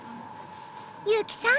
優希さん